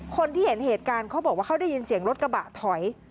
คนที่เห็นเหตุการณ์เขาบอกว่าเขาได้ยินเสียงรถกระบะถอย